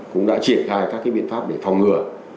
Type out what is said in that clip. cũng đã triển khai các biện pháp để phòng ngừa